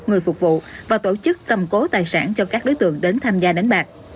người phục vụ và tổ chức cầm cố tài sản cho các đối tượng đến tham gia đánh bạc